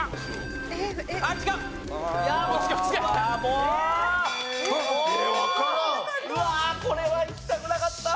うわあこれはいきたくなかった！